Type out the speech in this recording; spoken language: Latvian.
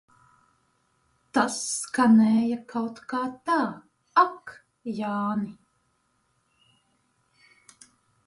Tas skanēja kaut kā tā, Ak, Jāni.